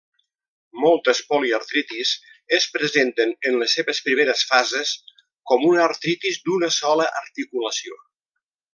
Moltes poliartritis es presenten en les seves primeres fases com una artritis d'una sola articulació.